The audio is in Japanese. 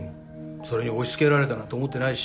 それに押し付けられたなんて思ってないし。